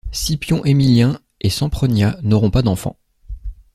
Scipion Émilien et Sempronia n’auront pas d’enfant.